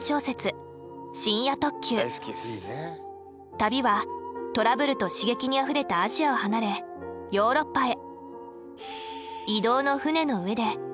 旅はトラブルと刺激にあふれたアジアを離れヨーロッパへ。